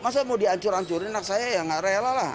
masa mau dihancur ancurin anak saya ya nggak rela lah